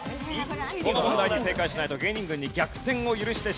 この問題に正解しないと芸人軍に逆転を許してしまいます。